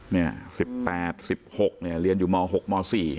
เนี่ย๑๘๑๖เรียนอยู่ม๖ม๔